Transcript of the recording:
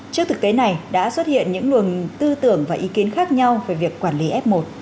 trước thực tế này đã xuất hiện những luồng tư tưởng và ý kiến khác nhau về việc quản lý f một